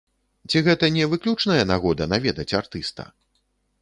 Ці гэта не выключная нагода наведаць артыста?